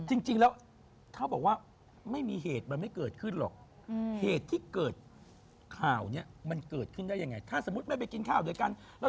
จริงแล้วเค้าบอกว่าไม่มีเหตุมันไม่เกิดขึ้นหรอก